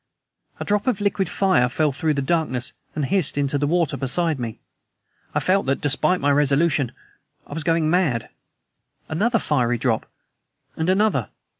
A drop of liquid fire fell through the darkness and hissed into the water beside me! I felt that, despite my resolution, I was going mad. Another fiery drop and another!